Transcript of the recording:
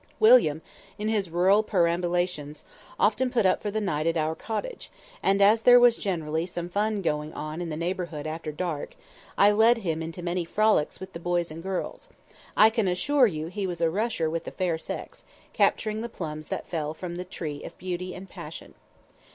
William, in his rural perambulations, often put up for the night at our cottage, and as there was generally some fun going on in the neighborhood after dark, I led him into many frolics with the boys and girls; and I can assure you he was a rusher with the fair sex, capturing the plums that fell from the tree of beauty and passion.